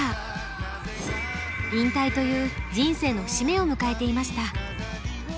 引退という人生の節目を迎えていました。